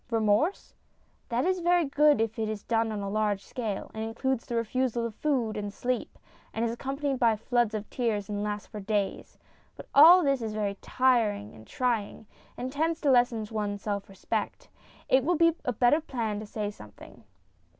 Remorse ? That is very good if it is done on a large scale, and includes the refusal of food and sleep, and is accompanied by floods of tears, and lasts for days. But all this is very trying, and tends to lessen one's self respect. It will be a better plan to say something.